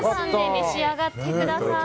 召し上がってください。